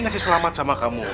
ngasih selamat sama kamu